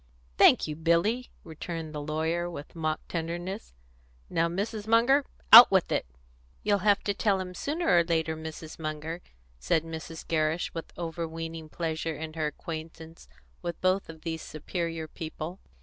"Thank you, Billy," returned the lawyer, with mock tenderness. "Now, Mrs. Munger, out with it!" "You'll have to tell him sooner or later, Mrs. Munger!" said Mrs. Gerrish, with overweening pleasure in her acquaintance with both of these superior people.